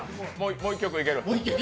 もう一曲いける？